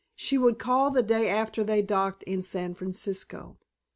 She would call the day after they docked in San Francisco.